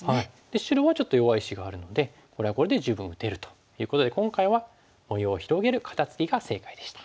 白はちょっと弱い石があるのでこれはこれで十分打てるということで今回は模様を広げる肩ツキが正解でした。